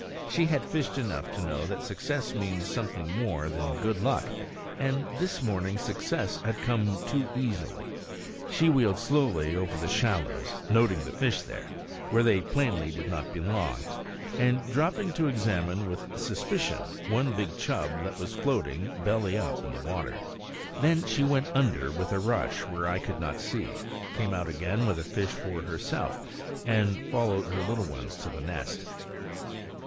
She had fished enough to know that success means something more than good luck; and this morning success had come too easily. She wheeled slowly over the shallows, noting the fish there, where they plainly did not belong, and dropping to examine with suspicion one big chub that was floating, belly up, on the water. Then she went under with a rush, where I could not see, came out again with a fish for herself, and followed her little ones to the nest.